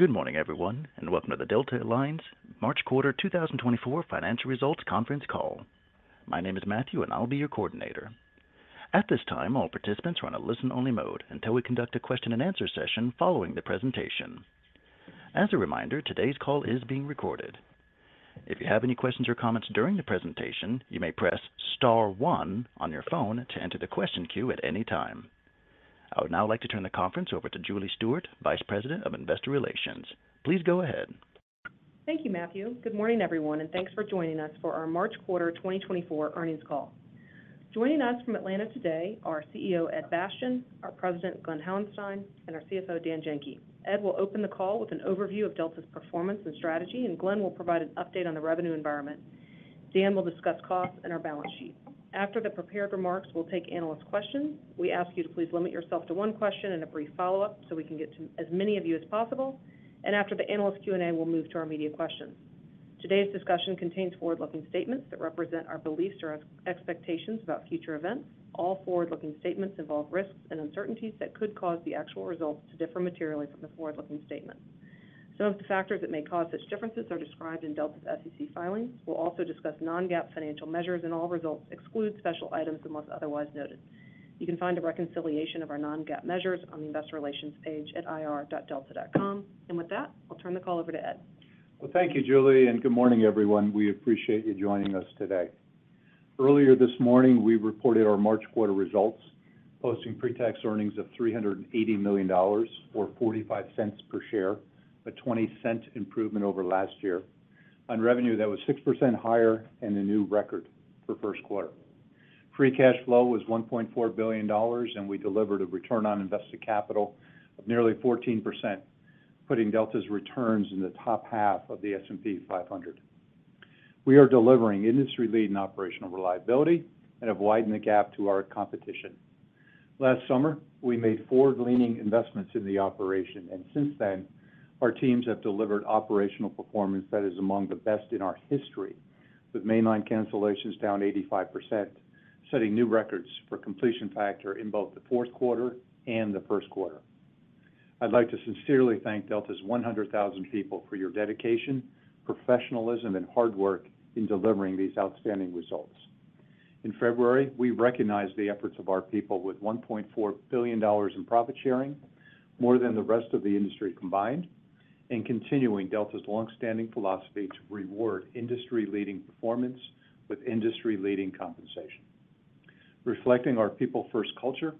Good morning, everyone, and welcome to the Delta Air Lines March quarter 2024 financial results conference call. My name is Matthew, and I'll be your coordinator. At this time, all participants are on a listen-only mode until we conduct a question-and-answer session following the presentation. As a reminder, today's call is being recorded. If you have any questions or comments during the presentation, you may press star one on your phone to enter the question queue at any time. I would now like to turn the conference over to Julie Stewart, Vice President of Investor Relations. Please go ahead. Thank you, Matthew. Good morning, everyone, and thanks for joining us for our March quarter 2024 earnings call. Joining us from Atlanta today are CEO Ed Bastian, our President Glen Hauenstein, and our CFO Dan Janki. Ed will open the call with an overview of Delta's performance and strategy, and Glen will provide an update on the revenue environment. Dan will discuss costs and our balance sheet. After the prepared remarks, we'll take analyst questions. We ask you to please limit yourself to one question and a brief follow-up so we can get to as many of you as possible. After the analyst Q&A, we'll move to our media questions. Today's discussion contains forward-looking statements that represent our beliefs or expectations about future events. All forward-looking statements involve risks and uncertainties that could cause the actual results to differ materially from the forward-looking statements. Some of the factors that may cause such differences are described in Delta's SEC filings. We'll also discuss non-GAAP financial measures, and all results exclude special items unless otherwise noted. You can find a reconciliation of our non-GAAP measures on the investor relations page at ir.delta.com. With that, I'll turn the call over to Ed. Well, thank you, Julie, and good morning, everyone. We appreciate you joining us today. Earlier this morning, we reported our March quarter results, posting pretax earnings of $380 million or $0.45 per share, a $0.20 improvement over last year. On revenue, that was 6% higher and a new record for first quarter. Free cash flow was $1.4 billion, and we delivered a return on invested capital of nearly 14%, putting Delta's returns in the top half of the S&P 500. We are delivering industry-leading operational reliability and have widened the gap to our competition. Last summer, we made forward-leaning investments in the operation, and since then, our teams have delivered operational performance that is among the best in our history, with mainline cancellations down 85%, setting new records for completion factor in both the fourth quarter and the first quarter. I'd like to sincerely thank Delta's 100,000 people for your dedication, professionalism, and hard work in delivering these outstanding results. In February, we recognized the efforts of our people with $1.4 billion in profit sharing, more than the rest of the industry combined, and continuing Delta's longstanding philosophy to reward industry-leading performance with industry-leading compensation. Reflecting our people-first culture,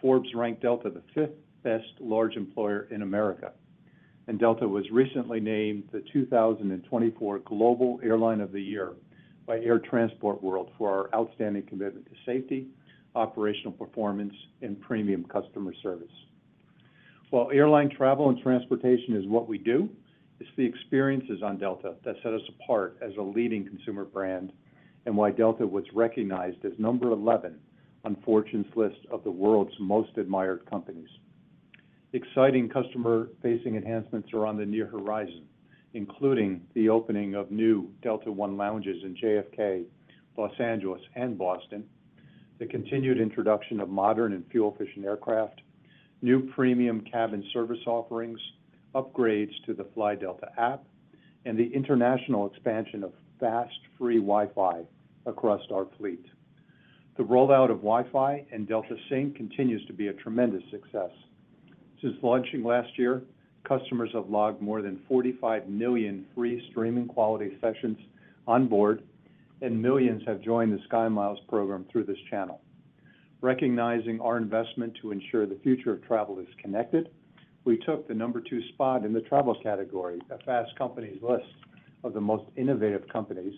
Forbes ranked Delta the fifth-best large employer in America, and Delta was recently named the 2024 Global Airline of the Year by Air Transport World for our outstanding commitment to safety, operational performance, and premium customer service. While airline travel and transportation is what we do, it's the experiences on Delta that set us apart as a leading consumer brand and why Delta was recognized as 11 on Fortune's list of the world's most admired companies. Exciting customer-facing enhancements are on the near horizon, including the opening of new Delta One lounges in JFK, Los Angeles, and Boston, the continued introduction of modern and fuel-efficient aircraft, new premium cabin service offerings, upgrades to the Fly Delta app, and the international expansion of fast, free Wi-Fi across our fleet. The rollout of Wi-Fi and Delta Sync continues to be a tremendous success. Since launching last year, customers have logged more than 45 million free streaming-quality sessions onboard, and millions have joined the SkyMiles program through this channel. Recognizing our investment to ensure the future of travel is connected, we took the number two spot in the travel category, Fast Company's list of the most innovative companies,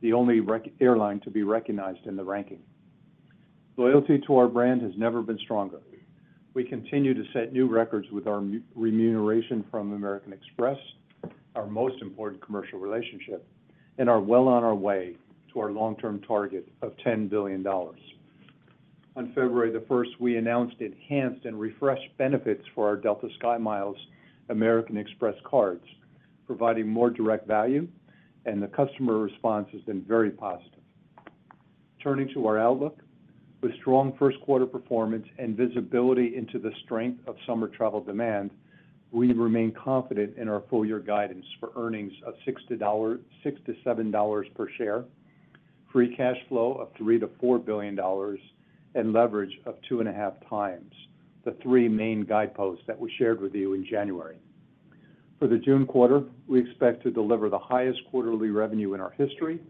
the only airline to be recognized in the ranking. Loyalty to our brand has never been stronger. We continue to set new records with our revenue from American Express, our most important commercial relationship, and are well on our way to our long-term target of $10 billion. On February 1st, we announced enhanced and refreshed benefits for our Delta SkyMiles American Express cards, providing more direct value, and the customer response has been very positive. Turning to our outlook, with strong first quarter performance and visibility into the strength of summer travel demand, we remain confident in our full-year guidance for earnings of $6-$7 per share, free cash flow of $3-$4 billion, and leverage of 2.5 times, the three main guideposts that we shared with you in January. For the June quarter, we expect to deliver the highest quarterly revenue in our history,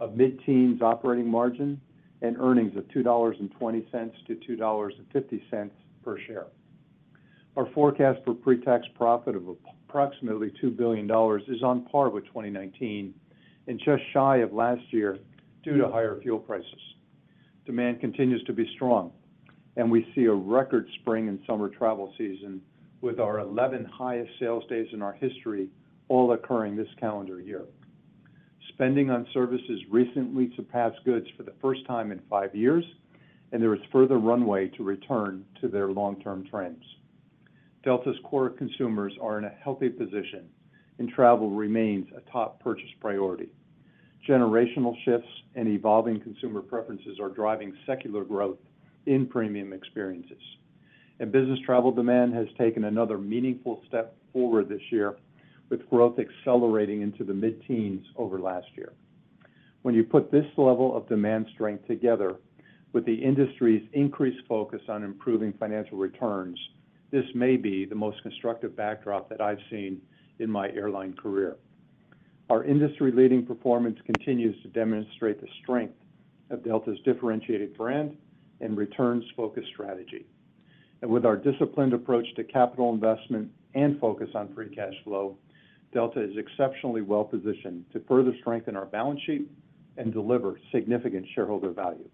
a mid-teens operating margin, and earnings of $2.20-$2.50 per share. Our forecast for pretax profit of approximately $2 billion is on par with 2019 and just shy of last year due to higher fuel prices. Demand continues to be strong, and we see a record spring in summer travel season, with our 11 highest sales days in our history all occurring this calendar year. Spending on services recently surpassed goods for the first time in five years, and there is further runway to return to their long-term trends. Delta's core consumers are in a healthy position, and travel remains a top purchase priority. Generational shifts and evolving consumer preferences are driving secular growth in premium experiences, and business travel demand has taken another meaningful step forward this year, with growth accelerating into the mid-teens over last year. When you put this level of demand strength together with the industry's increased focus on improving financial returns, this may be the most constructive backdrop that I've seen in my airline career. Our industry-leading performance continues to demonstrate the strength of Delta's differentiated brand and returns-focused strategy. And with our disciplined approach to capital investment and focus on free cash flow, Delta is exceptionally well-positioned to further strengthen our balance sheet and deliver significant shareholder value.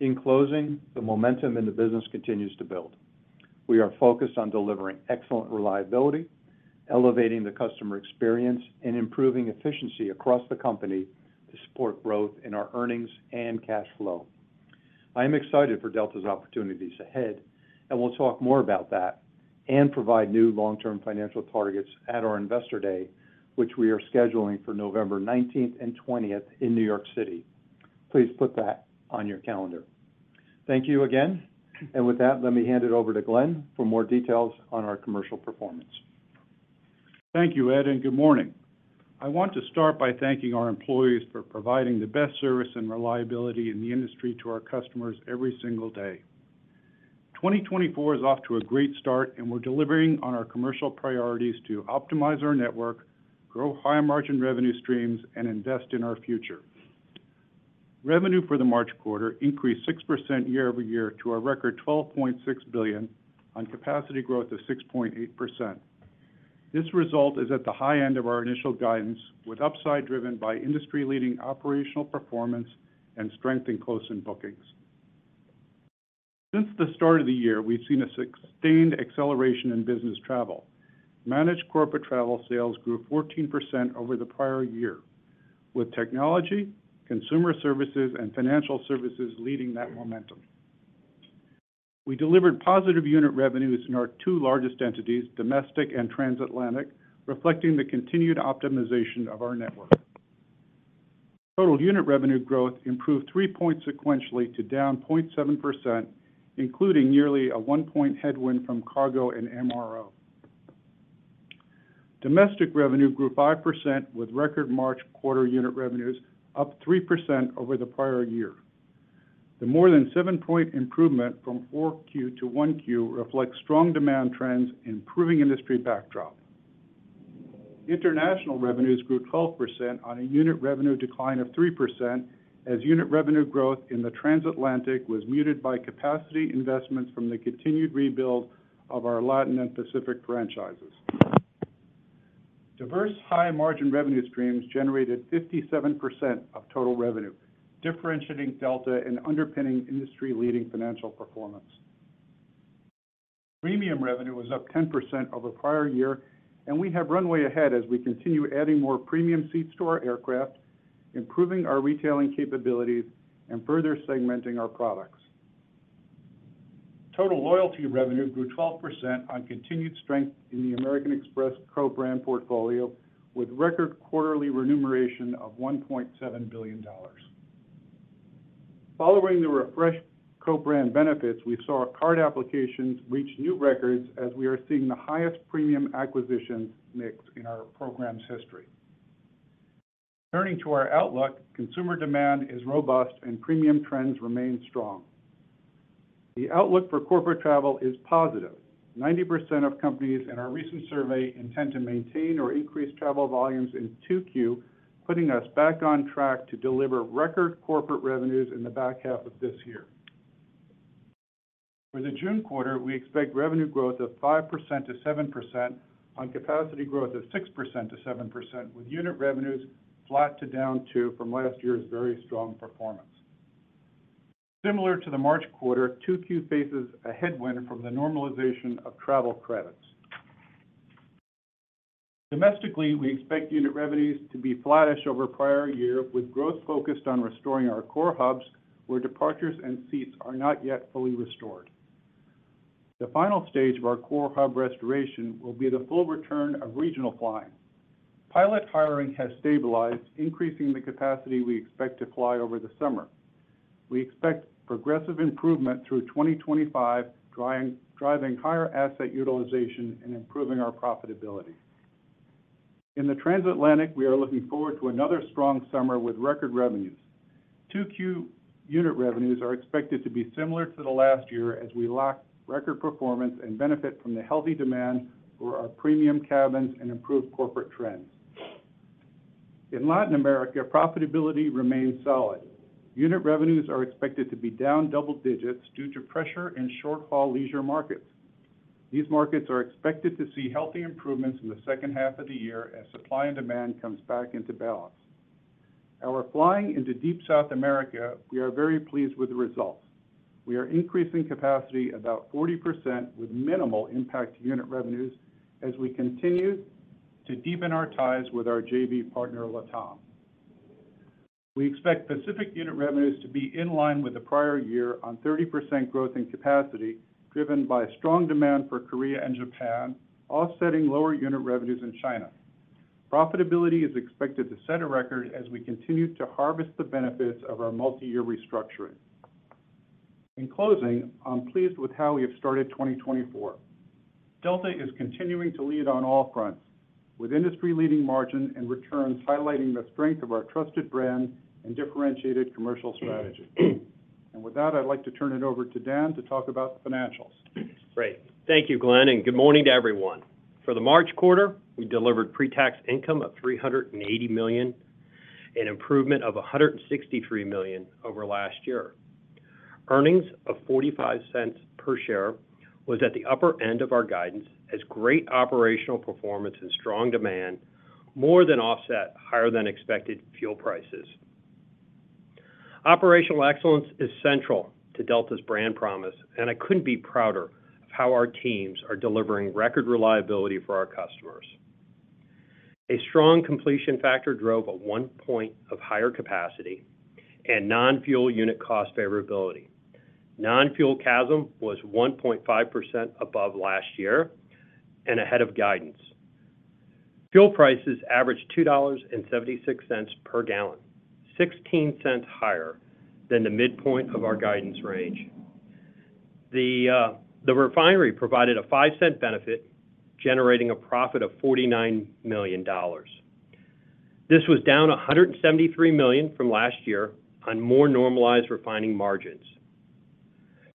In closing, the momentum in the business continues to build. We are focused on delivering excellent reliability, elevating the customer experience, and improving efficiency across the company to support growth in our earnings and cash flow. I am excited for Delta's opportunities ahead, and we'll talk more about that and provide new long-term financial targets at our investor day, which we are scheduling for November 19th and 20th in New York City. Please put that on your calendar. Thank you again. With that, let me hand it over to Glen for more details on our commercial performance. Thank you, Ed, and good morning. I want to start by thanking our employees for providing the best service and reliability in the industry to our customers every single day. 2024 is off to a great start, and we're delivering on our commercial priorities to optimize our network, grow high-margin revenue streams, and invest in our future. Revenue for the March quarter increased 6% year-over-year to a record $12.6 billion on capacity growth of 6.8%. This result is at the high end of our initial guidance, with upside driven by industry-leading operational performance and strength in closing bookings. Since the start of the year, we've seen a sustained acceleration in business travel. Managed corporate travel sales grew 14% over the prior year, with technology, consumer services, and financial services leading that momentum. We delivered positive unit revenues in our two largest entities, domestic and transatlantic, reflecting the continued optimization of our network. Total unit revenue growth improved 3 points sequentially to down 0.7%, including nearly a 1-point headwind from cargo and MRO. Domestic revenue grew 5%, with record March quarter unit revenues up 3% over the prior year. The more than 7-point improvement from 4Q to 1Q reflects strong demand trends and improving industry backdrop. International revenues grew 12% on a unit revenue decline of 3%, as unit revenue growth in the transatlantic was muted by capacity investments from the continued rebuild of our Latin and Pacific franchises. Diverse high-margin revenue streams generated 57% of total revenue, differentiating Delta and underpinning industry-leading financial performance. Premium revenue was up 10% over prior year, and we have runway ahead as we continue adding more premium seats to our aircraft, improving our retailing capabilities, and further segmenting our products. Total loyalty revenue grew 12% on continued strength in the American Express co-brand portfolio, with record quarterly remuneration of $1.7 billion. Following the refreshed co-brand benefits, we saw card applications reach new records, as we are seeing the highest premium acquisitions mix in our program's history. Turning to our outlook, consumer demand is robust, and premium trends remain strong. The outlook for corporate travel is positive. 90% of companies in our recent survey intend to maintain or increase travel volumes in 2Q, putting us back on track to deliver record corporate revenues in the back half of this year. For the June quarter, we expect revenue growth of 5%-7% on capacity growth of 6%-7%, with unit revenues flat to down 2% from last year's very strong performance. Similar to the March quarter, 2Q faces a headwind from the normalization of travel credits. Domestically, we expect unit revenues to be flattish over prior year, with growth focused on restoring our core hubs where departures and seats are not yet fully restored. The final stage of our core hub restoration will be the full return of regional flying. Pilot hiring has stabilized, increasing the capacity we expect to fly over the summer. We expect progressive improvement through 2025, driving higher asset utilization and improving our profitability. In the transatlantic, we are looking forward to another strong summer with record revenues. 2Q unit revenues are expected to be similar to the last year, as we lap record performance and benefit from the healthy demand for our premium cabins and improved corporate trends. In Latin America, profitability remains solid. Unit revenues are expected to be down double digits due to pressure in short-haul leisure markets. These markets are expected to see healthy improvements in the second half of the year as supply and demand comes back into balance. Our flying into deep South America, we are very pleased with the results. We are increasing capacity about 40% with minimal impact to unit revenues as we continue to deepen our ties with our JV partner, LATAM. We expect Pacific unit revenues to be in line with the prior year on 30% growth in capacity, driven by strong demand for Korea and Japan, offsetting lower unit revenues in China. Profitability is expected to set a record as we continue to harvest the benefits of our multi-year restructuring. In closing, I'm pleased with how we have started 2024. Delta is continuing to lead on all fronts, with industry-leading margin and returns highlighting the strength of our trusted brand and differentiated commercial strategy. With that, I'd like to turn it over to Dan to talk about the financials. Great. Thank you, Glen, and good morning to everyone. For the March quarter, we delivered pretax income of $380 million and improvement of $163 million over last year. Earnings of $0.45 per share was at the upper end of our guidance, as great operational performance and strong demand more than offset higher-than-expected fuel prices. Operational excellence is central to Delta's brand promise, and I couldn't be prouder of how our teams are delivering record reliability for our customers. A strong Completion Factor drove a 1-point of higher capacity and non-fuel unit cost favorability. Non-fuel CASM was 1.5% above last year and ahead of guidance. Fuel prices averaged $2.76 per gallon, $0.16 higher than the midpoint of our guidance range. The refinery provided a $0.05 benefit, generating a profit of $49 million. This was down $173 million from last year on more normalized refining margins.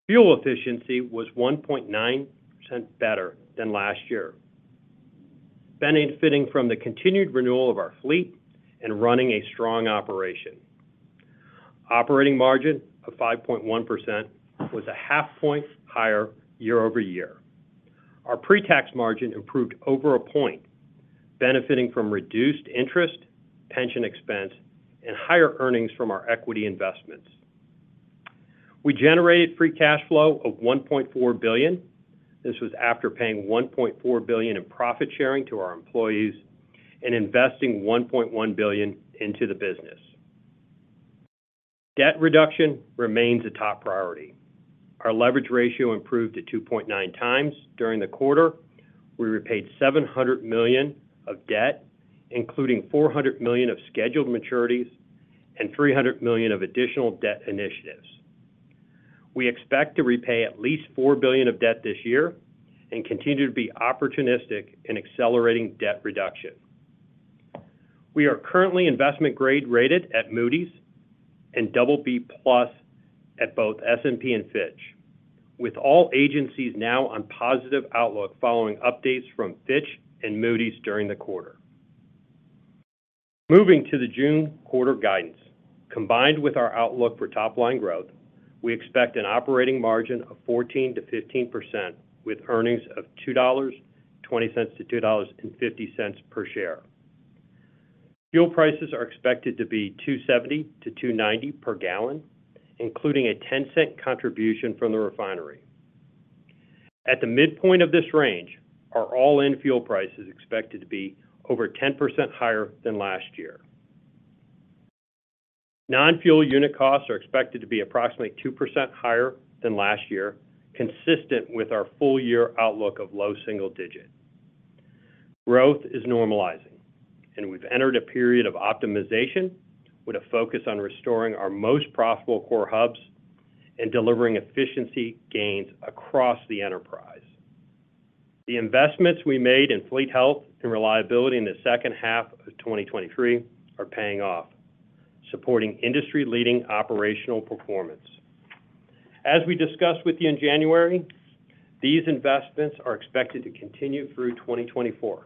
Fuel efficiency was 1.9% better than last year, benefiting from the continued renewal of our fleet and running a strong operation. Operating margin of 5.1% was a half-point higher year-over-year. Our pretax margin improved over a point, benefiting from reduced interest, pension expense, and higher earnings from our equity investments. We generated free cash flow of $1.4 billion. This was after paying $1.4 billion in profit sharing to our employees and investing $1.1 billion into the business. Debt reduction remains a top priority. Our leverage ratio improved to 2.9 times during the quarter. We repaid $700 million of debt, including $400 million of scheduled maturities and $300 million of additional debt initiatives. We expect to repay at least $4 billion of debt this year and continue to be opportunistic in accelerating debt reduction. We are currently investment-grade rated at Moody's and BB+ at both S&P and Fitch, with all agencies now on positive outlook following updates from Fitch and Moody's during the quarter. Moving to the June quarter guidance, combined with our outlook for top-line growth, we expect an operating margin of 14%-15%, with earnings of $2.20-$2.50 per share. Fuel prices are expected to be $2.70-$2.90 per gallon, including a $0.10 contribution from the refinery. At the midpoint of this range, our all-in fuel prices expected to be over 10% higher than last year. Non-fuel unit costs are expected to be approximately 2% higher than last year, consistent with our full-year outlook of low single-digit. Growth is normalizing, and we've entered a period of optimization with a focus on restoring our most profitable core hubs and delivering efficiency gains across the enterprise. The investments we made in fleet health and reliability in the second half of 2023 are paying off, supporting industry-leading operational performance. As we discussed with you in January, these investments are expected to continue through 2024,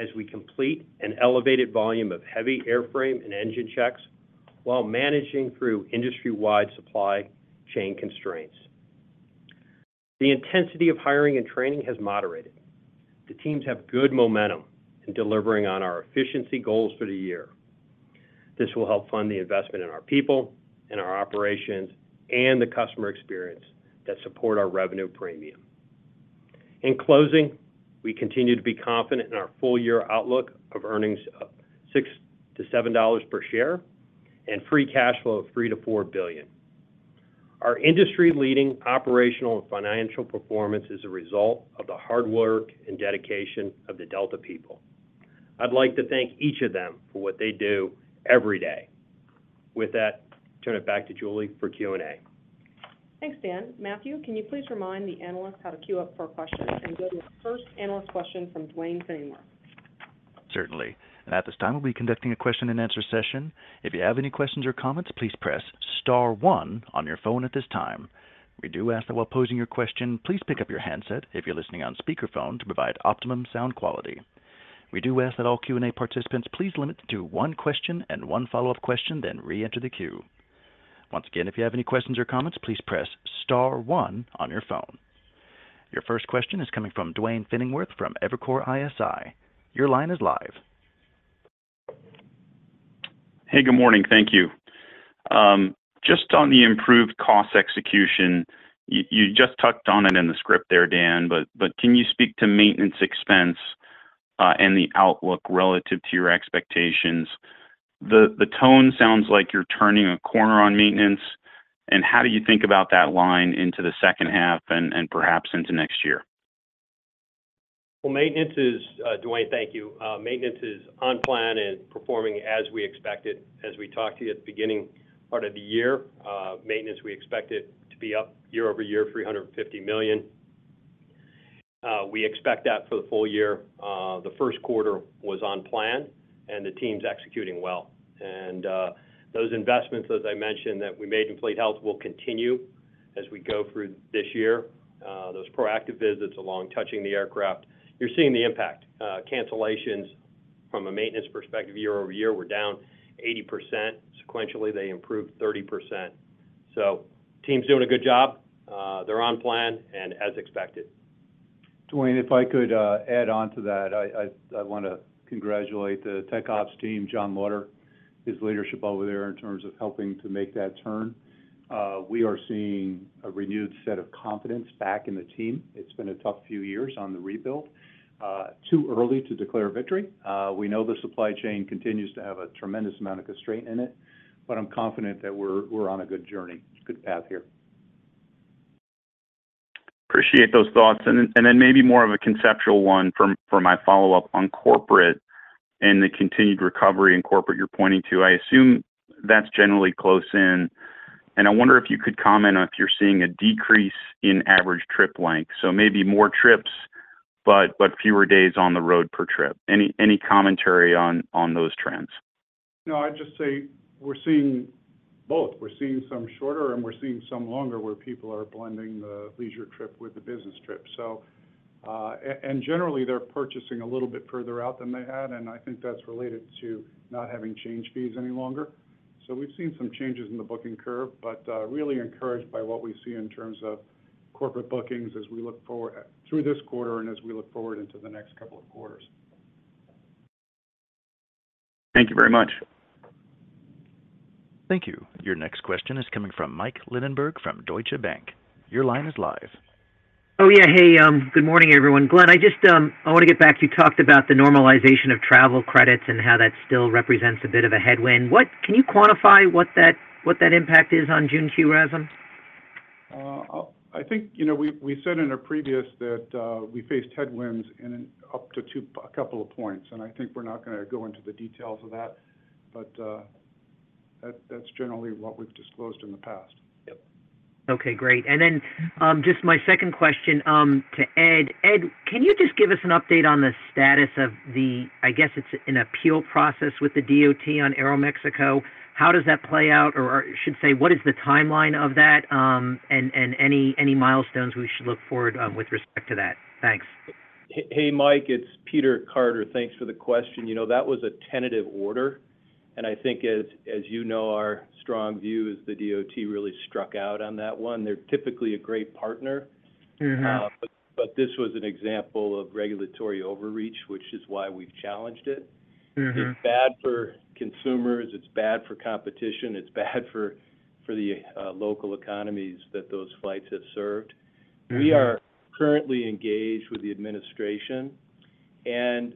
as we complete an elevated volume of heavy airframe and engine checks while managing through industry-wide supply chain constraints. The intensity of hiring and training has moderated. The teams have good momentum in delivering on our efficiency goals for the year. This will help fund the investment in our people, in our operations, and the customer experience that support our revenue premium. In closing, we continue to be confident in our full-year outlook of earnings of $6-$7 per share and free cash flow of $3-$4 billion. Our industry-leading operational and financial performance is a result of the hard work and dedication of the Delta people. I'd like to thank each of them for what they do every day. With that, turn it back to Julie for Q&A. Thanks, Dan. Matthew, can you please remind the analysts how to queue up for questions and go to the first analyst question from Duane Pfennigwerth? Certainly. And at this time, we'll be conducting a question-and-answer session. If you have any questions or comments, please press star one on your phone at this time. We do ask that while posing your question, please pick up your handset if you're listening on speakerphone to provide optimum sound quality. We do ask that all Q&A participants please limit to one question and one follow-up question, then reenter the queue. Once again, if you have any questions or comments, please press star 1 on your phone. Your first question is coming from Duane Pfennigwerth from Evercore ISI. Your line is live. Hey, good morning. Thank you. Just on the improved cost execution, you just tucked on it in the script there, Dan, but can you speak to maintenance expense and the outlook relative to your expectations? The tone sounds like you're turning a corner on maintenance. And how do you think about that line into the second half and perhaps into next year? Well, maintenance is Dwight, thank you. Maintenance is on plan and performing as we expected as we talked to you at the beginning part of the year. Maintenance, we expected to be up year-over-year, $350 million. We expect that for the full year. The first quarter was on plan, and the team's executing well. And those investments, as I mentioned, that we made in fleet health will continue as we go through this year. Those proactive visits along touching the aircraft, you're seeing the impact. Cancellations from a maintenance perspective, year-over-year, were down 80%. Sequentially, they improved 30%. So team's doing a good job. They're on plan and as expected. Dwane, if I could add on to that, I want to congratulate the tech ops team, John Laughter, his leadership over there in terms of helping to make that turn. We are seeing a renewed set of confidence back in the team. It's been a tough few years on the rebuild. Too early to declare victory. We know the supply chain continues to have a tremendous amount of constraint in it, but I'm confident that we're on a good journey, good path here. Appreciate those thoughts. And then maybe more of a conceptual one for my follow-up on corporate and the continued recovery in corporate you're pointing to. I assume that's generally close in. And I wonder if you could comment on if you're seeing a decrease in average trip length. So maybe more trips, but fewer days on the road per trip. Any commentary on those trends? No, I'd just say we're seeing both. We're seeing some shorter, and we're seeing some longer where people are blending the leisure trip with the business trip. And generally, they're purchasing a little bit further out than they had. And I think that's related to not having change fees any longer. So we've seen some changes in the booking curve, but really encouraged by what we see in terms of corporate bookings as we look forward through this quarter and as we look forward into the next couple of quarters. Thank you very much. Thank you. Your next question is coming from Mike Lindenberg from Deutsche Bank. Your line is live. Oh, yeah. Hey, good morning, everyone. Glen, I want to get back. You talked about the normalization of travel credits and how that still represents a bit of a headwind. Can you quantify what that impact is on Q2 revenue? I think we said in our previous that we faced headwinds in up to a couple of points. I think we're not going to go into the details of that, but that's generally what we've disclosed in the past. Yep. Okay, great. And then just my second question to Ed. Ed, can you just give us an update on the status of the, I guess, it's an appeal process with the DOT on Aeromexico. How does that play out? Or I should say, what is the timeline of that and any milestones we should look forward to with respect to that? Thanks. Hey, Mike. It's Peter Carter. Thanks for the question. That was a tentative order. And I think, as you know, our strong view is the DOT really struck out on that one. They're typically a great partner, but this was an example of regulatory overreach, which is why we've challenged it. It's bad for consumers. It's bad for competition. It's bad for the local economies that those flights have served. We are currently engaged with the administration and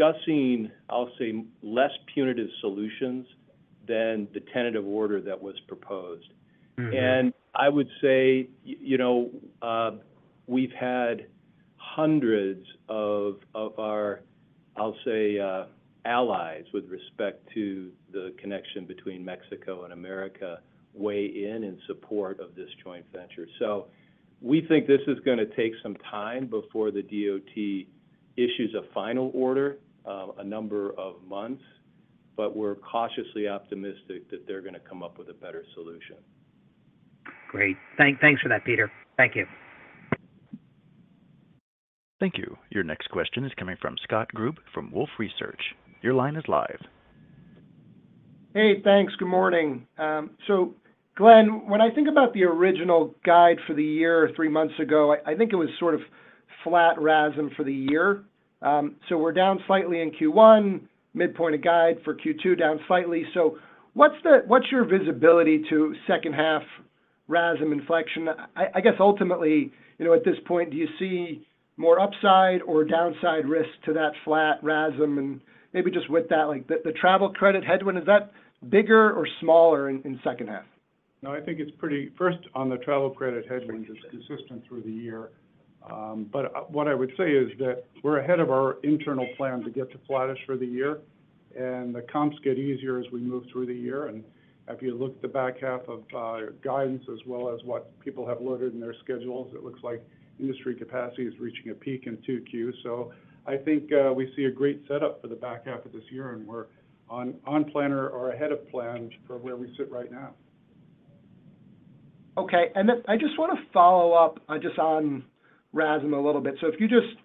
discussing, I'll say, less punitive solutions than the tentative order that was proposed. And I would say we've had hundreds of our, I'll say, allies with respect to the connection between Mexico and America weigh in in support of this joint venture. We think this is going to take some time before the DOT issues a final order, a number of months, but we're cautiously optimistic that they're going to come up with a better solution. Great. Thanks for that, Peter. Thank you. Thank you. Your next question is coming from Scott Group from Wolfe Research. Your line is live. Hey, thanks. Good morning. So Glen, when I think about the original guide for the year three months ago, I think it was sort of flat RASM for the year. So we're down slightly in Q1, midpoint of guide for Q2 down slightly. So what's your visibility to second-half RASM inflection? I guess ultimately, at this point, do you see more upside or downside risk to that flat RASM? And maybe just with that, the travel credit headwind, is that bigger or smaller in second-half? No, I think it's pretty first, on the travel credit headwind, it's consistent through the year. But what I would say is that we're ahead of our internal plan to get to flattish for the year. The comps get easier as we move through the year. If you look at the back half of guidance as well as what people have loaded in their schedules, it looks like industry capacity is reaching a peak in Q2. So I think we see a great setup for the back half of this year, and we're on plan or ahead of plan for where we sit right now. Okay. And then I just want to follow up just on RASM a little bit. So if you just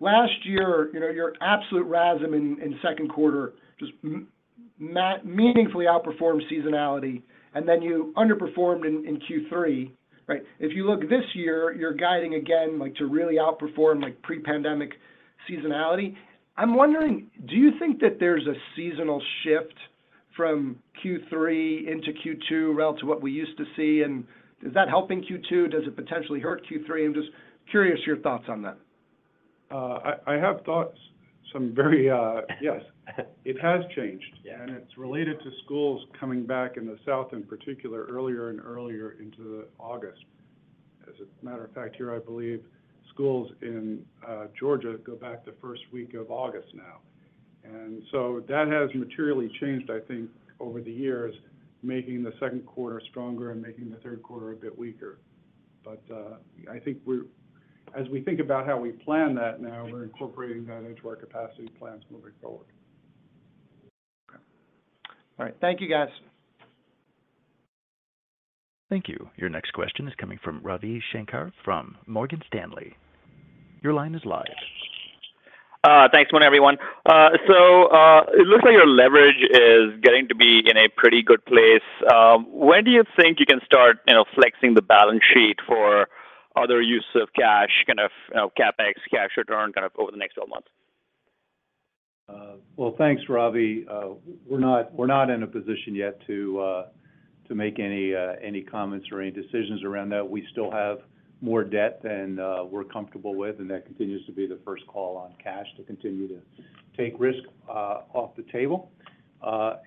last year, your absolute RASM in second quarter just meaningfully outperformed seasonality, and then you underperformed in Q3, right? If you look this year, you're guiding again to really outperform pre-pandemic seasonality. I'm wondering, do you think that there's a seasonal shift from Q3 into Q2 relative to what we used to see? And is that helping Q2? Does it potentially hurt Q3? I'm just curious your thoughts on that. I have thoughts, some very yes. It has changed. It's related to schools coming back in the south in particular earlier and earlier into August. As a matter of fact, here, I believe schools in Georgia go back the first week of August now. So that has materially changed, I think, over the years, making the second quarter stronger and making the third quarter a bit weaker. But I think as we think about how we plan that now, we're incorporating that into our capacity plans moving forward. Okay. All right. Thank you, guys. Thank you. Your next question is coming from Ravi Shanker from Morgan Stanley. Your line is live. Good morning, everyone. So it looks like your leverage is getting to be in a pretty good place. When do you think you can start flexing the balance sheet for other use of cash, kind of CapEx, cash return, kind of over the next 12 months? Well, thanks, Ravi. We're not in a position yet to make any comments or any decisions around that. We still have more debt than we're comfortable with, and that continues to be the first call on cash to continue to take risk off the table.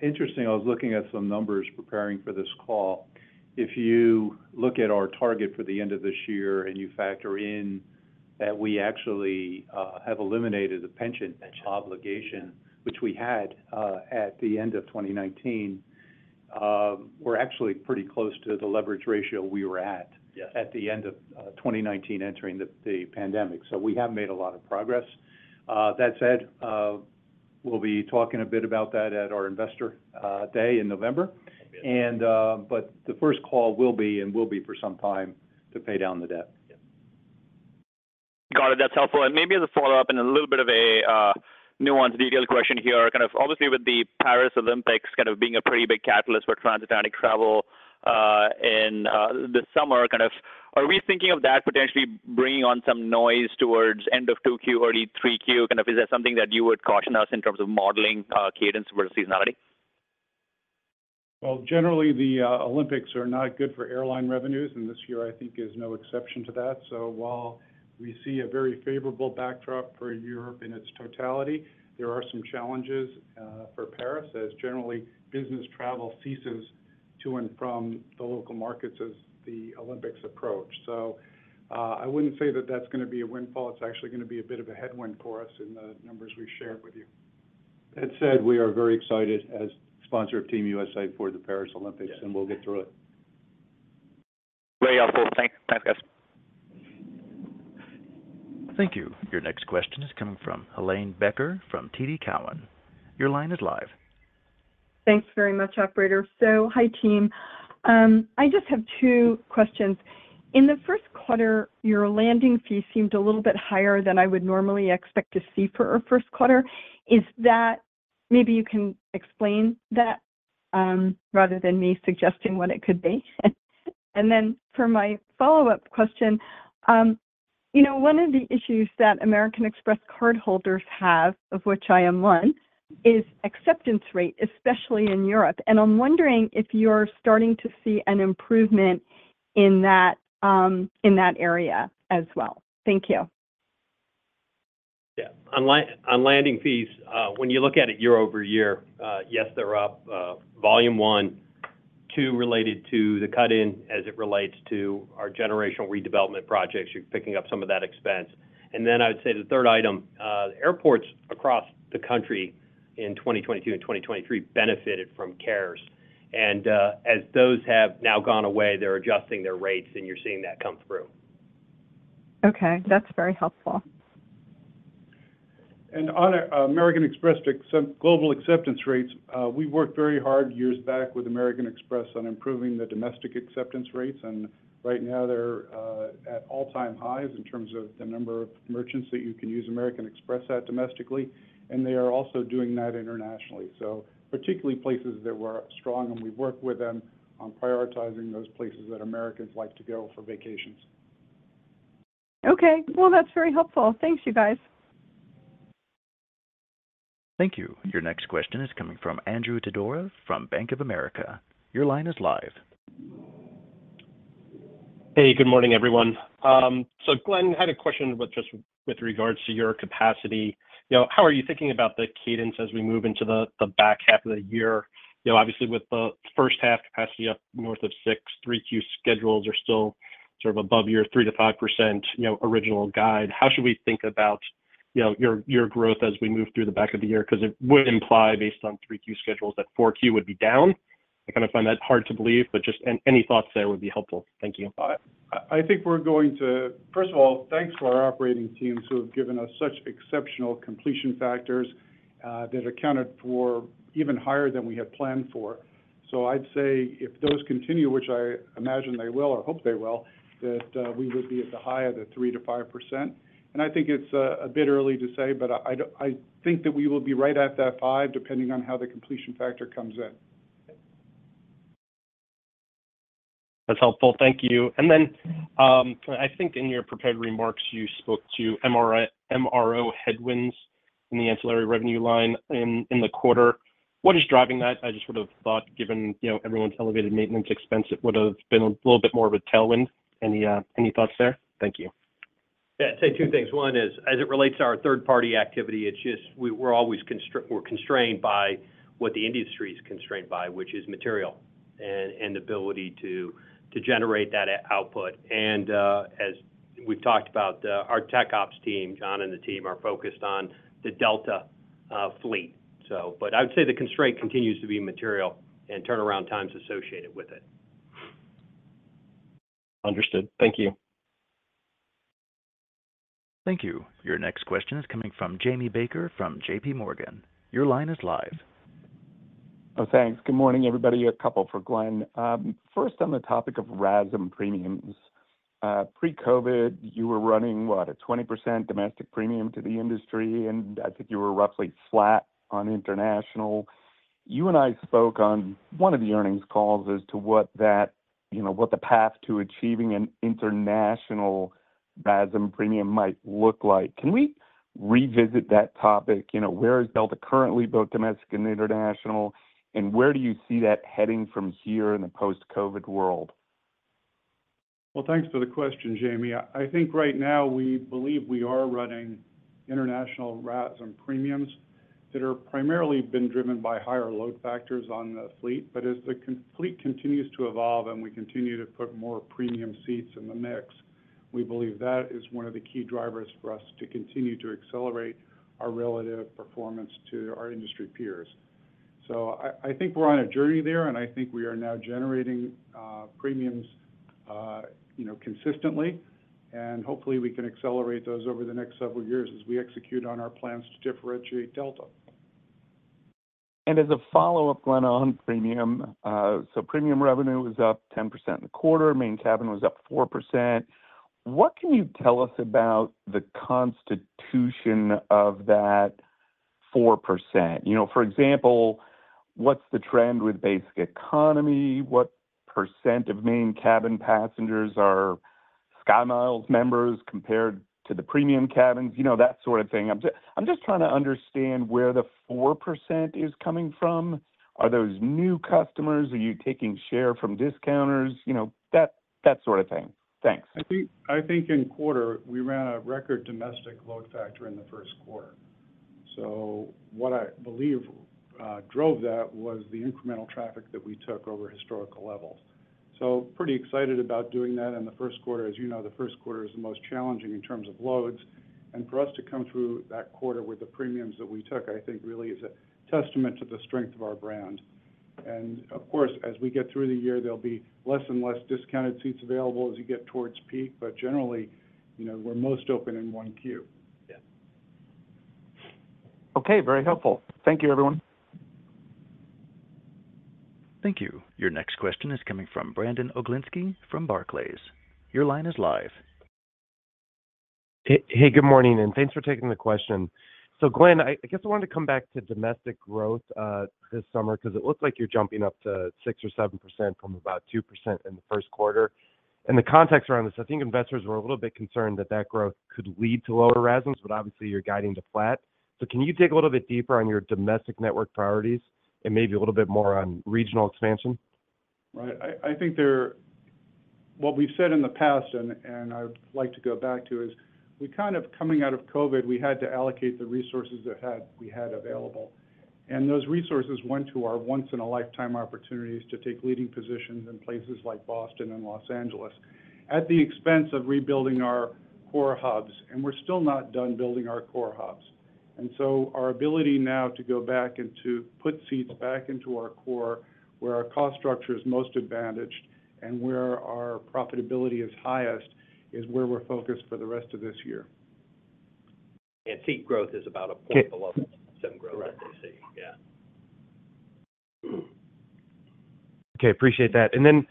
Interesting, I was looking at some numbers preparing for this call. If you look at our target for the end of this year and you factor in that we actually have eliminated the pension obligation, which we had at the end of 2019, we're actually pretty close to the leverage ratio we were at at the end of 2019 entering the pandemic. So we have made a lot of progress. That said, we'll be talking a bit about that at our investor day in November. But the first call will be, and will be for some time, to pay down the debt. Got it. That's helpful. Maybe as a follow-up and a little bit of a nuanced, detailed question here, kind of obviously with the Paris Olympics kind of being a pretty big catalyst for transatlantic travel in the summer, kind of are we thinking of that potentially bringing on some noise towards end of Q2, early Q3? Kind of is that something that you would caution us in terms of modeling cadence versus seasonality? Well, generally, the Olympics are not good for airline revenues, and this year, I think, is no exception to that. So while we see a very favorable backdrop for Europe in its totality, there are some challenges for Paris as generally, business travel ceases to and from the local markets as the Olympics approach. So I wouldn't say that that's going to be a windfall. It's actually going to be a bit of a headwind for us in the numbers we shared with you. That said, we are very excited as sponsor of Team USA for the Paris Olympics, and we'll get through it. Very helpful. Thanks, guys. Thank you. Your next question is coming from Helane Becker from TD Cowen. Your line is live. Thanks very much, operator. So hi, team. I just have two questions. In the first quarter, your landing fee seemed a little bit higher than I would normally expect to see for our first quarter. Maybe you can explain that rather than me suggesting what it could be. And then for my follow-up question, one of the issues that American Express cardholders have, of which I am one, is acceptance rate, especially in Europe. And I'm wondering if you're starting to see an improvement in that area as well. Thank you. Yeah. On landing fees, when you look at it year-over-year, yes, they're up. Volume 1, too, related to the cut-in as it relates to our generational redevelopment projects, you're picking up some of that expense. And then I would say the third item, airports across the country in 2022 and 2023 benefited from CARES. As those have now gone away, they're adjusting their rates, and you're seeing that come through. Okay. That's very helpful. On American Express global acceptance rates, we worked very hard years back with American Express on improving the domestic acceptance rates. Right now, they're at all-time highs in terms of the number of merchants that you can use American Express at domestically. They are also doing that internationally. So particularly places that were strong, and we've worked with them on prioritizing those places that Americans like to go for vacations. Okay. Well, that's very helpful. Thanks, you guys. Thank you. Your next question is coming from Andrew Didora from Bank of America. Your line is live. Hey, good morning, everyone. So Glen, I had a question just with regards to your capacity. How are you thinking about the cadence as we move into the back half of the year? Obviously, with the first half capacity up north of 6%, 3Q schedules are still sort of above your 3%-5% original guide. How should we think about your growth as we move through the back of the year? Because it would imply, based on 3Q schedules, that 4Q would be down. I kind of find that hard to believe, but just any thoughts there would be helpful. Thank you. I think we're going to first of all, thanks to our operating teams who have given us such exceptional completion factors that accounted for even higher than we had planned for. So I'd say if those continue, which I imagine they will or hope they will, that we would be at the high of the 3%-5%. And I think it's a bit early to say, but I think that we will be right at that 5% depending on how the completion factor comes in. That's helpful. Thank you. Then I think in your prepared remarks, you spoke to MRO headwinds in the ancillary revenue line in the quarter. What is driving that? I just would have thought, given everyone's elevated maintenance expense, it would have been a little bit more of a tailwind. Any thoughts there? Thank you. Yeah. I'd say two things. One is, as it relates to our third-party activity, we're always constrained by what the industry is constrained by, which is material and the ability to generate that output. And as we've talked about, our TechOps team, John and the team, are focused on the Delta fleet. But I would say the constraint continues to be material and turnaround times associated with it. Understood. Thank you. Thank you. Your next question is coming from Jamie Baker from JPMorgan. Your line is live. Oh, thanks. Good morning, everybody. A couple for Glen. First, on the topic of revenue premiums. Pre-COVID, you were running, what, a 20% domestic premium to the industry, and I think you were roughly flat on international. You and I spoke on one of the earnings calls as to what the path to achieving an international revenue premium might look like. Can we revisit that topic? Where is Delta currently, both domestic and international, and where do you see that heading from here in the post-COVID world? Well, thanks for the question, Jamie. I think right now, we believe we are running international revenue premiums that have primarily been driven by higher load factors on the fleet. But as the fleet continues to evolve and we continue to put more premium seats in the mix, we believe that is one of the key drivers for us to continue to accelerate our relative performance to our industry peers. So I think we're on a journey there, and I think we are now generating premiums consistently. And hopefully, we can accelerate those over the next several years as we execute on our plans to differentiate Delta. As a follow-up, Glen, on premium, so premium revenue was up 10% in the quarter. Main cabin was up 4%. What can you tell us about the constitution of that 4%? For example, what's the trend with basic economy? What percent of main cabin passengers are SkyMiles members compared to the premium cabins? That sort of thing. I'm just trying to understand where the 4% is coming from. Are those new customers? Are you taking share from discounters? That sort of thing. Thanks. I think in quarter, we ran a record domestic load factor in the first quarter. So what I believe drove that was the incremental traffic that we took over historical levels. So pretty excited about doing that in the first quarter. As you know, the first quarter is the most challenging in terms of loads. And for us to come through that quarter with the premiums that we took, I think, really is a testament to the strength of our brand. And of course, as we get through the year, there'll be less and less discounted seats available as you get towards peak. But generally, we're most open in 1Q. Okay. Very helpful. Thank you, everyone. Thank you. Your next question is coming from Brandon Oglenski from Barclays. Your line is live. Hey, good morning, and thanks for taking the question. So Glen, I guess I wanted to come back to domestic growth this summer because it looks like you're jumping up to 6% or 7% from about 2% in the first quarter. The context around this, I think investors were a little bit concerned that that growth could lead to lower yields, but obviously, you're guiding to flat. So can you dig a little bit deeper on your domestic network priorities and maybe a little bit more on regional expansion? Right. I think what we've said in the past, and I'd like to go back to, is kind of coming out of COVID, we had to allocate the resources that we had available. And those resources went to our once-in-a-lifetime opportunities to take leading positions in places like Boston and Los Angeles at the expense of rebuilding our core hubs. And we're still not done building our core hubs. And so our ability now to go back and to put seats back into our core where our cost structure is most advantaged and where our profitability is highest is where we're focused for the rest of this year. Seat growth is about a point below the comp set growth that they see. Yeah. Okay. Appreciate that. And then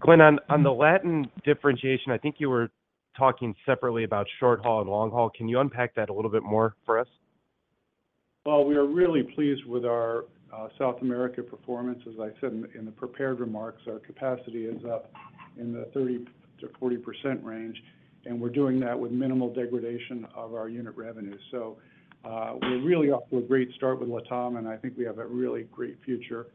Glen, on the Latin differentiation, I think you were talking separately about short haul and long haul. Can you unpack that a little bit more for us? Well, we are really pleased with our South America performance. As I said in the prepared remarks, our capacity is up in the 30%-40% range, and we're doing that with minimal degradation of our unit revenue. So we're really off to a great start with LATAM, and I think we have a really great future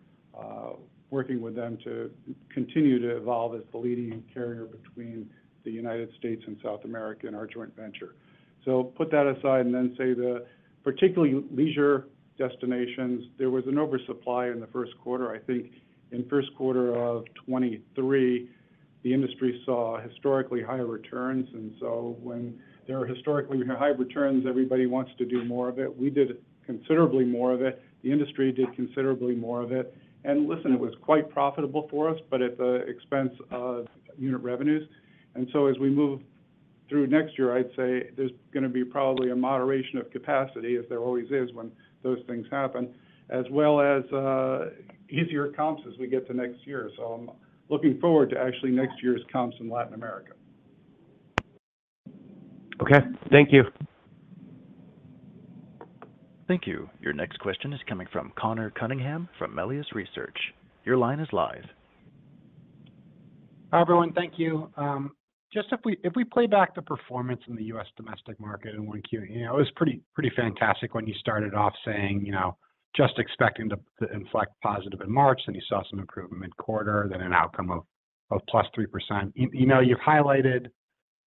working with them to continue to evolve as the leading carrier between the United States and South America in our joint venture. So put that aside and then say the particularly leisure destinations, there was an oversupply in the first quarter. I think in first quarter of 2023, the industry saw historically high returns. And so when there are historically high returns, everybody wants to do more of it. We did considerably more of it. The industry did considerably more of it. And listen, it was quite profitable for us, but at the expense of unit revenues. And so as we move through next year, I'd say there's going to be probably a moderation of capacity, as there always is when those things happen, as well as easier comps as we get to next year. So I'm looking forward to actually next year's comps in Latin America. Okay. Thank you. Thank you. Your next question is coming from Conor Cunningham from Melius Research. Your line is live. Hi, everyone. Thank you. Just if we play back the performance in the U.S. domestic market in 1Q, it was pretty fantastic when you started off saying just expecting to inflect positive in March, then you saw some improvement mid-quarter, then an outcome of +3%. You've highlighted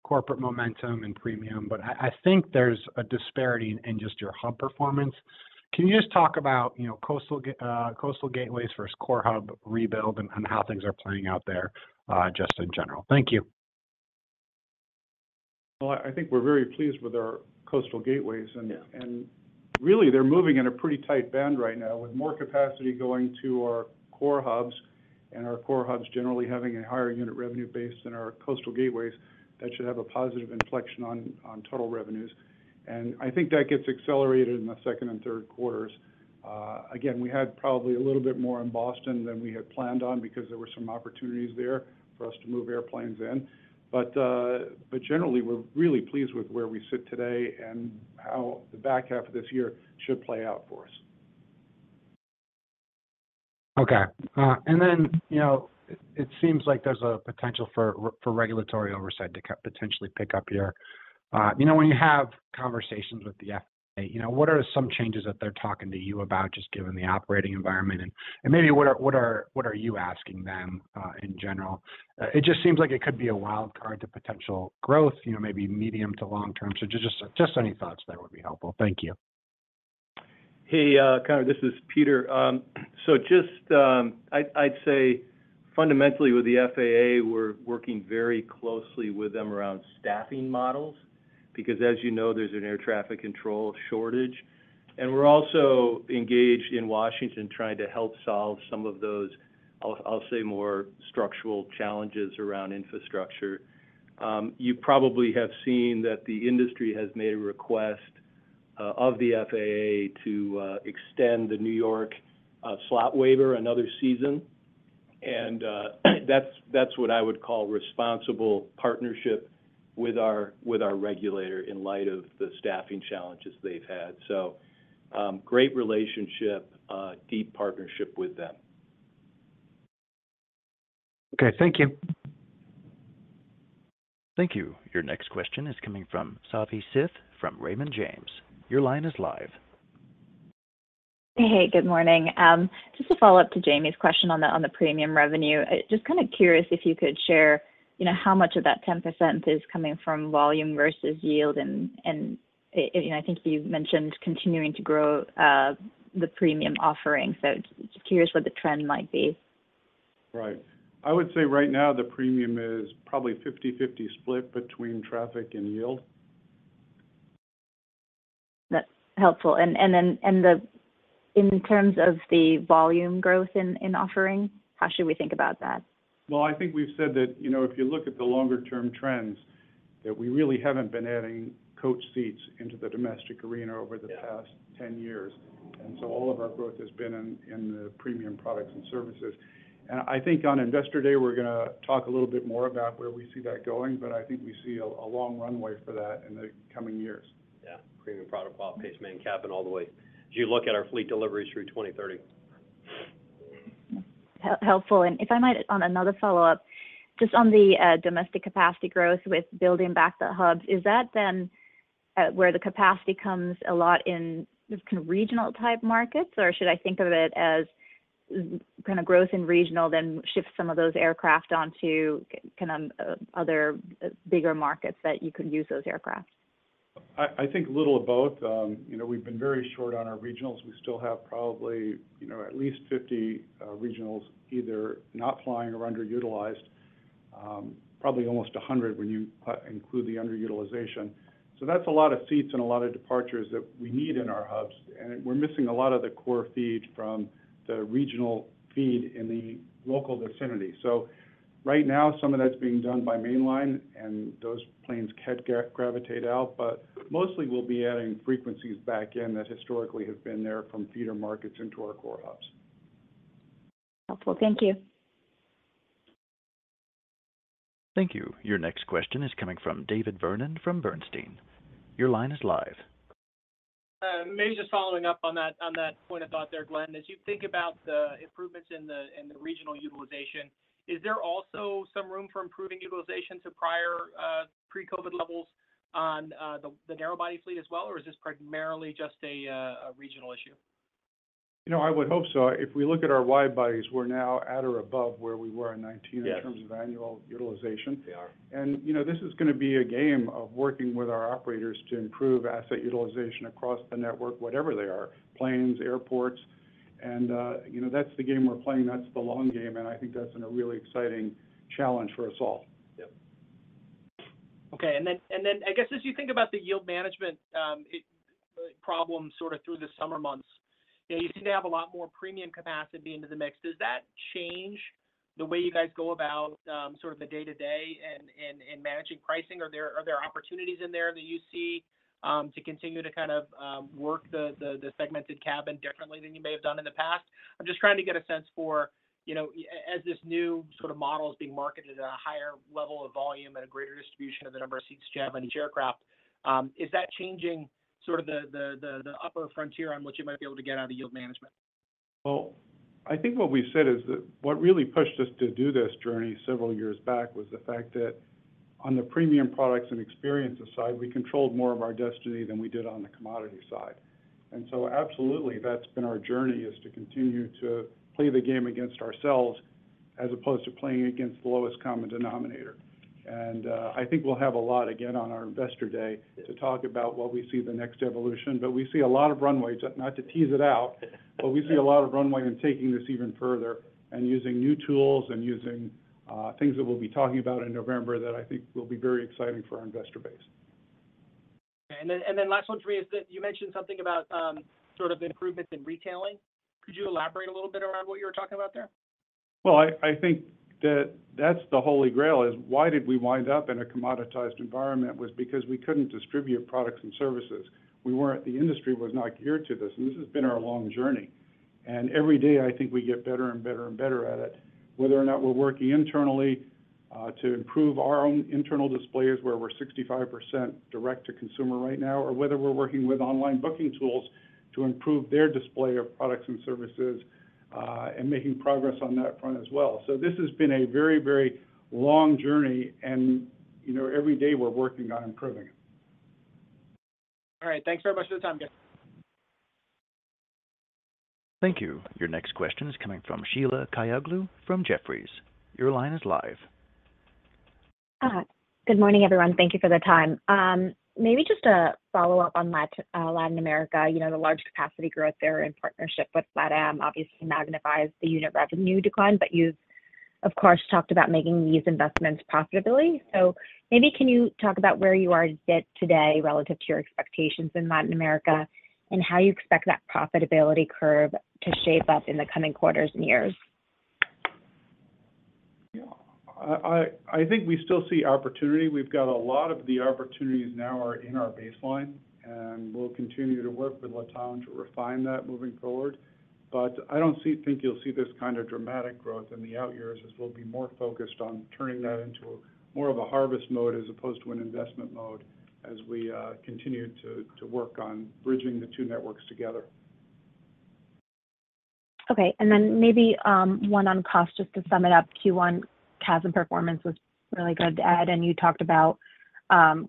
corporate momentum and premium, but I think there's a disparity in just your hub performance. Can you just talk about Coastal Gateways versus core hub rebuild and how things are playing out there just in general? Thank you. Well, I think we're very pleased with our Coastal Gateways. Really, they're moving in a pretty tight band right now with more capacity going to our core hubs and our core hubs generally having a higher unit revenue base than our Coastal Gateways. That should have a positive inflection on total revenues. I think that gets accelerated in the second and third quarters. Again, we had probably a little bit more in Boston than we had planned on because there were some opportunities there for us to move airplanes in. Generally, we're really pleased with where we sit today and how the back half of this year should play out for us. Okay. Then it seems like there's a potential for regulatory oversight to potentially pick up here. When you have conversations with the FAA, what are some changes that they're talking to you about just given the operating environment? And maybe what are you asking them in general? It just seems like it could be a wild card to potential growth, maybe medium to long term. So just any thoughts there would be helpful. Thank you. Hey, Conor. This is Peter. So just, I'd say fundamentally, with the FAA, we're working very closely with them around staffing models because, as you know, there's an air traffic control shortage. And we're also engaged in Washington trying to help solve some of those, I'll say, more structural challenges around infrastructure. You probably have seen that the industry has made a request of the FAA to extend the New York slot waiver another season. And that's what I would call responsible partnership with our regulator in light of the staffing challenges they've had. So great relationship, deep partnership with them. Okay. Thank you. Thank you. Your next question is coming from Savanthi Syth from Raymond James. Your line is live. Hey, good morning. Just a follow-up to Jamie's question on the premium revenue. Just kind of curious if you could share how much of that 10% is coming from volume versus yield. And I think you mentioned continuing to grow the premium offering. So just curious what the trend might be. Right. I would say right now, the premium is probably 50/50 split between traffic and yield. That's helpful. And then in terms of the volume growth in offering, how should we think about that? Well, I think we've said that if you look at the longer-term trends, that we really haven't been adding coach seats into the domestic arena over the past 10 years. And so all of our growth has been in the premium products and services. And I think on Investor Day, we're going to talk a little bit more about where we see that going, but I think we see a long runway for that in the coming years. Yeah. Premium product quality, premium cabin, all the way as you look at our fleet deliveries through 2030. Helpful. If I might, on another follow-up, just on the domestic capacity growth with building back the hubs, is that then where the capacity comes a lot in kind of regional-type markets, or should I think of it as kind of growth in regional then shifts some of those aircraft onto kind of other bigger markets that you could use those aircraft? I think a little of both. We've been very short on our regionals. We still have probably at least 50 regionals either not flying or underutilized, probably almost 100 when you include the underutilization. So that's a lot of seats and a lot of departures that we need in our hubs. And we're missing a lot of the core feed from the regional feed in the local vicinity. So right now, some of that's being done by mainline, and those planes can gravitate out. But mostly, we'll be adding frequencies back in that historically have been there from feeder markets into our core hubs. Helpful. Thank you. Thank you. Your next question is coming from David Vernon from Bernstein. Your line is live. Maybe just following up on that point of thought there, Glen. As you think about the improvements in the regional utilization, is there also some room for improving utilization to prior pre-COVID levels on the narrowbody fleet as well, or is this primarily just a regional issue? I would hope so. If we look at our wide bodies, we're now at or above where we were in 2019 in terms of annual utilization. This is going to be a game of working with our operators to improve asset utilization across the network, whatever they are, planes, airports. That's the game we're playing. That's the long game. I think that's a really exciting challenge for us all. Yeah. Okay. And then I guess as you think about the yield management problem sort of through the summer months, you seem to have a lot more premium capacity into the mix. Does that change the way you guys go about sort of the day-to-day in managing pricing? Are there opportunities in there that you see to continue to kind of work the segmented cabin differently than you may have done in the past? I'm just trying to get a sense for as this new sort of model is being marketed at a higher level of volume and a greater distribution of the number of seats you have on each aircraft, is that changing sort of the upper frontier on what you might be able to get out of yield management? Well, I think what we've said is that what really pushed us to do this journey several years back was the fact that on the premium products and experience aside, we controlled more of our destiny than we did on the commodity side. And so absolutely, that's been our journey is to continue to play the game against ourselves as opposed to playing against the lowest common denominator. And I think we'll have a lot again on our Investor Day to talk about what we see the next evolution. But we see a lot of runway, not to tease it out, but we see a lot of runway in taking this even further and using new tools and using things that we'll be talking about in November that I think will be very exciting for our investor base. And then last one for me is that you mentioned something about sort of improvements in retailing. Could you elaborate a little bit around what you were talking about there? Well, I think that that's the holy grail is why did we wind up in a commoditized environment was because we couldn't distribute products and services. The industry was not geared to this. And this has been our long journey. And every day, I think we get better and better and better at it, whether or not we're working internally to improve our own internal displays where we're 65% direct to consumer right now or whether we're working with online booking tools to improve their display of products and services and making progress on that front as well. So this has been a very, very long journey, and every day, we're working on improving it. All right. Thanks very much for the time, guys. Thank you. Your next question is coming from Sheila Kahyaoglu from Jefferies. Your line is live. Good morning, everyone. Thank you for the time. Maybe just a follow-up on Latin America. The large capacity growth there in partnership with LATAM obviously magnifies the unit revenue decline, but you've, of course, talked about making these investments profitably. So maybe can you talk about where you are today relative to your expectations in Latin America and how you expect that profitability curve to shape up in the coming quarters and years? Yeah. I think we still see opportunity. We've got a lot of the opportunities now are in our baseline, and we'll continue to work with LATAM to refine that moving forward. But I don't think you'll see this kind of dramatic growth in the out years as we'll be more focused on turning that into more of a harvest mode as opposed to an investment mode as we continue to work on bridging the two networks together. Okay. And then maybe one on cost, just to sum it up. Q1 CASM performance was really good to add, and you talked about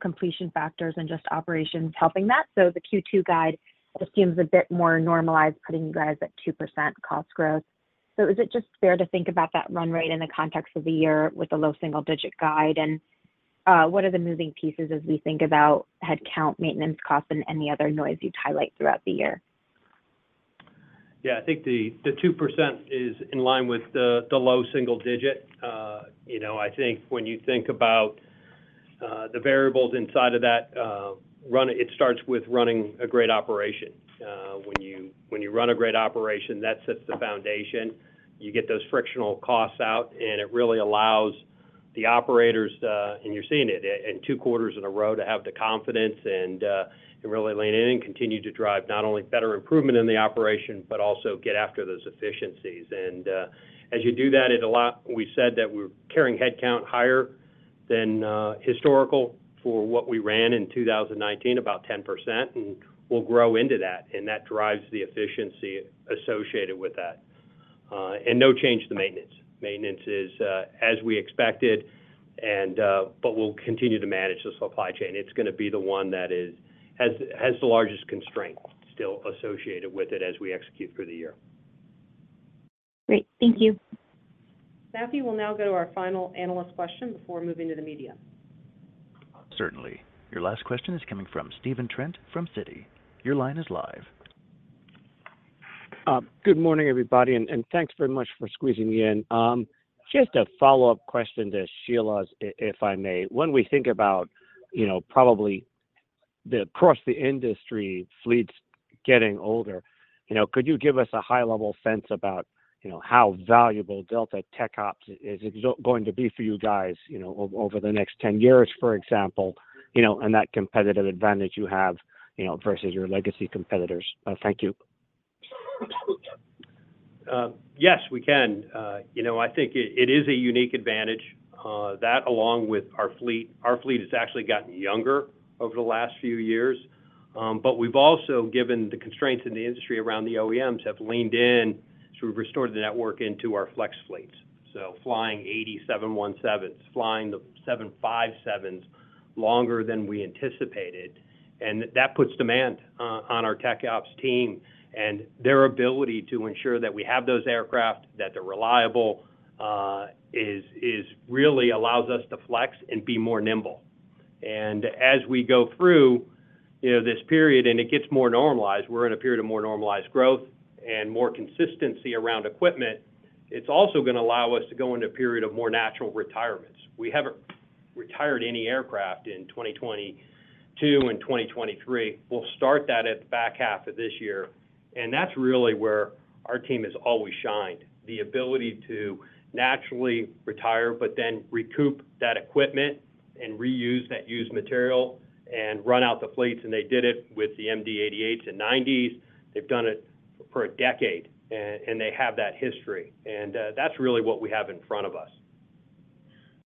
completion factors and just operations helping that. So the Q2 guide assumes a bit more normalized, putting you guys at 2% cost growth. So is it just fair to think about that run rate in the context of the year with the low single-digit guide? And what are the moving pieces as we think about headcount, maintenance costs, and any other noise you'd highlight throughout the year? Yeah. I think the 2% is in line with the low single digit. I think when you think about the variables inside of that, it starts with running a great operation. When you run a great operation, that sets the foundation. You get those frictional costs out, and it really allows the operators - and you're seeing it - in two quarters in a row to have the confidence and really lean in and continue to drive not only better improvement in the operation but also get after those efficiencies. And as you do that, we said that we're carrying headcount higher than historical for what we ran in 2019, about 10%, and we'll grow into that. And that drives the efficiency associated with that. And no change to maintenance. Maintenance is as we expected, but we'll continue to manage the supply chain. It's going to be the one that has the largest constraint still associated with it as we execute through the year. Great. Thank you. So we will now go to our final analyst question before moving to the media. Certainly. Your last question is coming from Stephen Trent from Citi. Your line is live. Good morning, everybody, and thanks very much for squeezing in. Just a follow-up question to Sheila, if I may. When we think about probably across the industry, fleets getting older, could you give us a high-level sense about how valuable Delta TechOps is going to be for you guys over the next 10 years, for example, and that competitive advantage you have versus your legacy competitors? Thank you. Yes, we can. I think it is a unique advantage. That along with our fleet. Our fleet has actually gotten younger over the last few years. But we've also given the constraints in the industry around the OEMs have leaned in. So we've restored the network into our flex fleets, so flying 80 717s, flying the 757s longer than we anticipated. And that puts demand on our TechOps team. And their ability to ensure that we have those aircraft, that they're reliable, really allows us to flex and be more nimble. And as we go through this period and it gets more normalized, we're in a period of more normalized growth and more consistency around equipment. It's also going to allow us to go into a period of more natural retirements. We haven't retired any aircraft in 2022 and 2023. We'll start that at the back half of this year. And that's really where our team has always shined, the ability to naturally retire but then recoup that equipment and reuse that used material and run out the fleets. And they did it with the MD-88s and 90s. They've done it for a decade, and they have that history. And that's really what we have in front of us.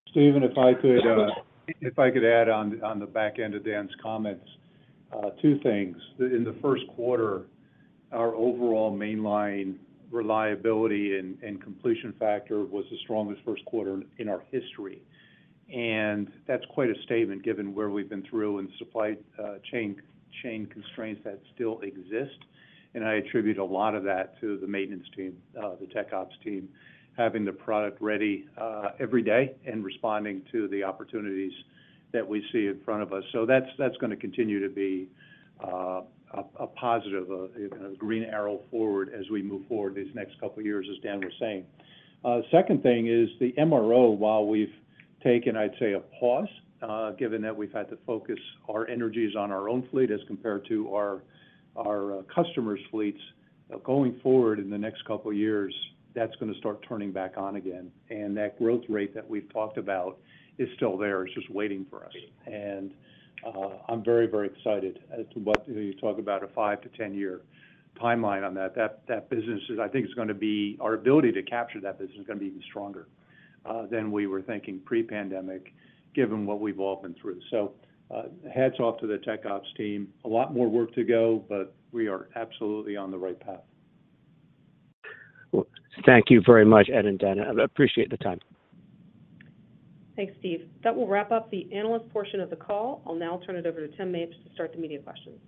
Stephen, if I could add on the back end of Dan's comments, two things. In the first quarter, our overall mainline reliability and completion factor was the strongest first quarter in our history. And that's quite a statement given where we've been through and supply chain constraints that still exist. And I attribute a lot of that to the maintenance team, the TechOps team, having the product ready every day and responding to the opportunities that we see in front of us. So that's going to continue to be a positive, a green arrow forward as we move forward these next couple of years, as Dan was saying. Second thing is the MRO. While we've taken, I'd say, a pause given that we've had to focus our energies on our own fleet as compared to our customers' fleets, going forward in the next couple of years, that's going to start turning back on again. And that growth rate that we've talked about is still there. It's just waiting for us. And I'm very, very excited as to what you talk about, a 5-10-year timeline on that. I think it's going to be our ability to capture that business is going to be even stronger than we were thinking pre-pandemic given what we've all been through. So hats off to the TechOps team. A lot more work to go, but we are absolutely on the right path. Well, thank you very much, Ed and Dan. I appreciate the time. Thanks, Steve. That will wrap up the analyst portion of the call. I'll now turn it over to Tim Mapes to start the media questions.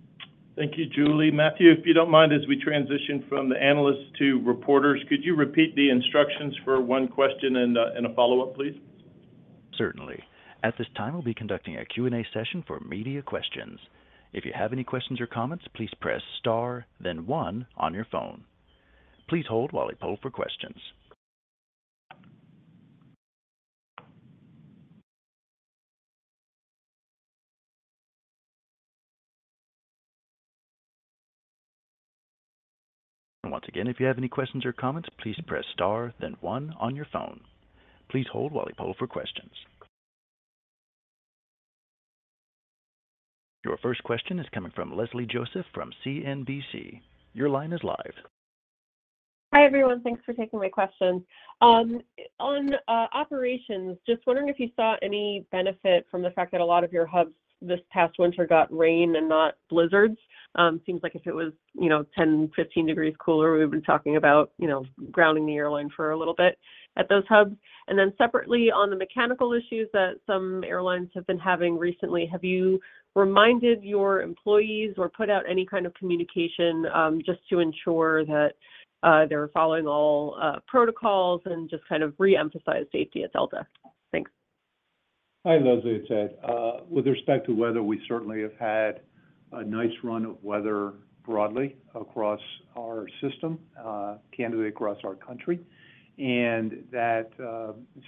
Thank you, Julie. Matthew, if you don't mind, as we transition from the analysts to reporters, could you repeat the instructions for one question and a follow-up, please? Certainly. At this time, we'll be conducting a Q&A session for media questions. If you have any questions or comments, please press star, then one on your phone. Please hold while I pull for questions. Once again, if you have any questions or comments, please press star, then one on your phone. Please hold while I pull for questions. Your first question is coming from Leslie Josephs from CNBC. Your line is live. Hi, everyone. Thanks for taking my question. On operations, just wondering if you saw any benefit from the fact that a lot of your hubs this past winter got rain and not blizzards. Seems like if it was 10, 15 degrees cooler, we've been talking about grounding the airline for a little bit at those hubs. And then separately, on the mechanical issues that some airlines have been having recently, have you reminded your employees or put out any kind of communication just to ensure that they're following all protocols and just kind of reemphasize safety at Delta? Thanks. Hi, Leslie, Ed here. With respect to weather, we certainly have had a nice run of weather broadly across our system, candidly across our country. That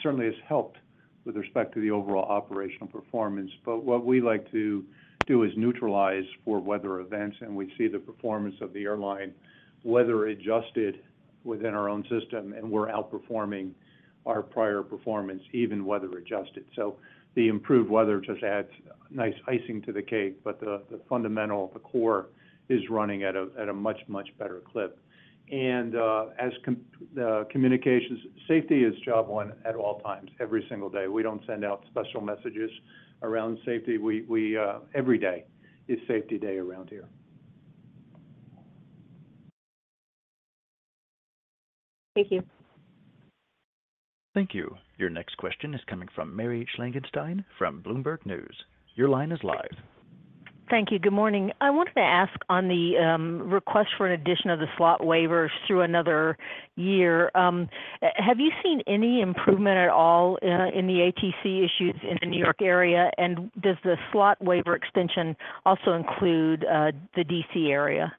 certainly has helped with respect to the overall operational performance. What we like to do is neutralize for weather events, and we see the performance of the airline weather-adjusted within our own system, and we're outperforming our prior performance, even weather-adjusted. The improved weather just adds nice icing to the cake, but the fundamental, the core, is running at a much, much better clip. And as communications, safety is job one at all times, every single day. We don't send out special messages around safety. Every day is safety day around here. Thank you. Thank you. Your next question is coming from Mary Schlangenstein from Bloomberg News. Your line is live. Thank you. Good morning. I wanted to ask on the request for an addition of the slot waivers through another year. Have you seen any improvement at all in the ATC issues in the New York area? And does the slot waiver extension also include the D.C. area?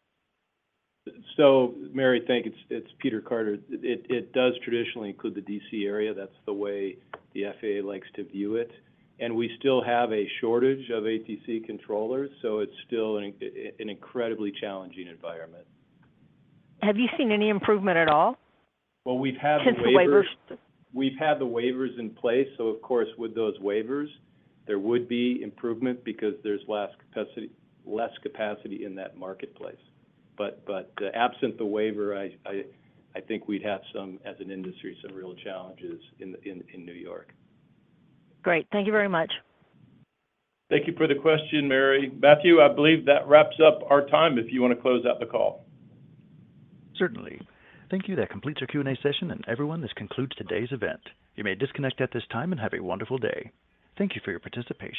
So, Mary, thanks, it's Peter Carter. It does traditionally include the D.C. area. That's the way the FAA likes to view it. And we still have a shortage of ATC controllers, so it's still an incredibly challenging environment. Have you seen any improvement at all since the waivers? Well, we've had the waivers in place. So, of course, with those waivers, there would be improvement because there's less capacity in that marketplace. But absent the waiver, I think we'd have some, as an industry, some real challenges in New York. Great. Thank you very much. Thank you for the question, Mary. Matthew, I believe that wraps up our time if you want to close out the call. Certainly. Thank you. That completes our Q&A session. Everyone, this concludes today's event. You may disconnect at this time and have a wonderful day. Thank you for your participation.